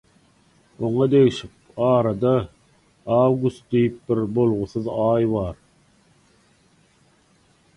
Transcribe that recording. Oňa degşip «Arada «awgust» diýip bir bolgusyz aý bar.